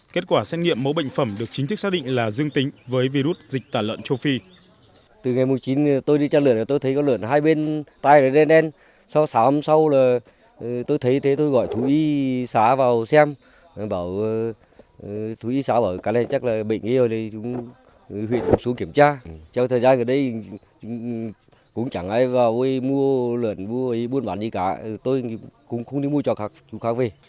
kết quả xét nghiệm mẫu bệnh phẩm được chính thức xác định là dương tính với virus dịch tả lợn châu phi